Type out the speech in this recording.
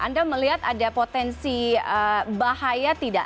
anda melihat ada potensi bahaya tidak